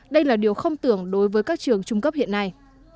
đây là điều không tưởng đối với các trường trung cấp hiện nay